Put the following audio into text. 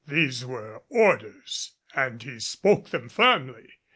These were orders and he spoke them firmly.